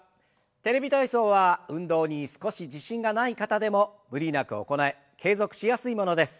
「テレビ体操」は運動に少し自信がない方でも無理なく行え継続しやすいものです。